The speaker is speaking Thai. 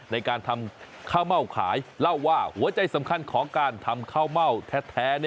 ในการทำข้าวเม่าขายเล่าว่าหัวใจสำคัญของการทำข้าวเม่าแท้